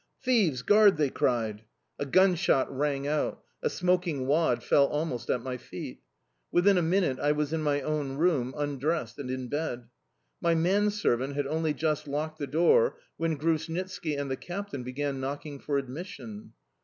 "Thieves, guard!"... they cried. A gunshot rang out; a smoking wad fell almost at my feet. Within a minute I was in my own room, undressed and in bed. My manservant had only just locked the door when Grushnitski and the captain began knocking for admission.